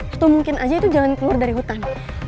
atau mungkin aja itu jalan keluar dari hutan